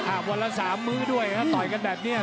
วันละสามมื้อด้วยถ้าต่อยกันแบบนี้